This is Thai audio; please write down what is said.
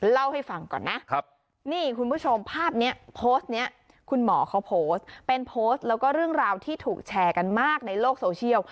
แล้วก็เรื่องราวที่ถูกแชร์กันมากในโลกโซเชียล